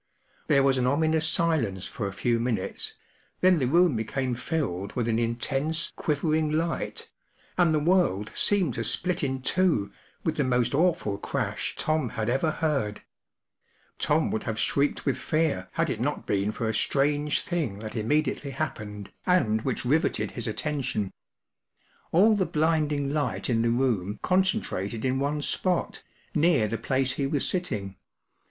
There was an ominous silence for a few minutes, then the room became filled with an intense, quivering light, and the world seemed to split in two with the most awful crash Tom had ever heard. Tom would have shrieked with fear had it not ^fri^ivJrnstrange thing that UNIVERSITY OF MICHIGAN < THE LIGHTNING FIEND. 685 immediately happened, and which riveted his attention. All the blinding light in the room concentrated in one spot, near the place he was sitting.